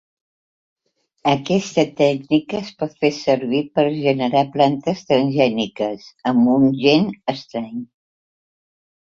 Aquesta tècnica es pot fer servir per generar plantes transgèniques amb un gen estrany.